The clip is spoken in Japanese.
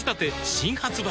新発売